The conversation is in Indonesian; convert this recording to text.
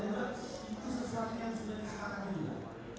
itu sesuatu yang sudah disepakati juga